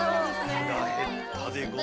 はらへったでござる。